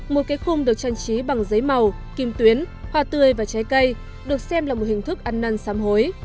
một cái khung được trang trí bằng giấy màu kim tuyến hoa tươi và trái cây được xem là một hình thức ăn năn xám hối